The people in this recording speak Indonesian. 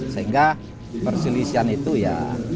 sehingga perselisihan itu ya